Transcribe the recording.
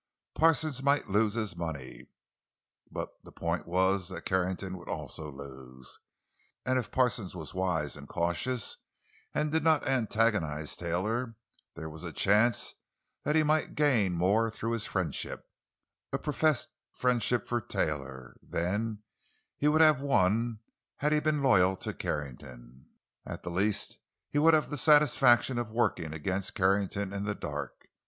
Parsons might lose his money; but the point was that Carrington would also lose. And if Parsons was wise and cautious—and did not antagonize Taylor—there was a chance that he might gain more through his friendship—a professed friendship—for Taylor, than he would have won had he been loyal to Carrington. At the least, he would have the satisfaction of working against Carrington in the dark.